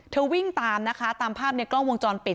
วิ่งตามนะคะตามภาพในกล้องวงจรปิด